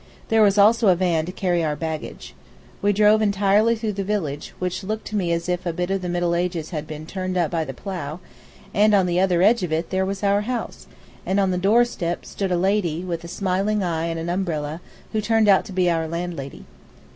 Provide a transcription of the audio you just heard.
There was also a van to carry our baggage. We drove entirely through the village, which looked to me as if a bit of the Middle Ages had been turned up by the plough, and on the other edge of it there was our house, and on the doorstep stood a lady, with a smiling eye and an umbrella, and who turned out to be our landlady.